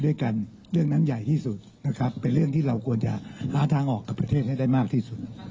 ด้วยกันเรื่องนั้นใหญ่ที่สุดนะครับเป็นเรื่องที่เราควรจะหาทางออกกับประเทศให้ได้มากที่สุด